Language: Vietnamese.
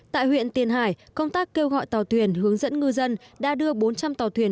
tại huyện tiền hải công tác kêu gọi tàu thuyền hướng dẫn ngư dân đã đưa bốn trăm linh tàu thuyền